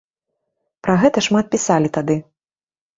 Пра гэта шмат пісалі тады.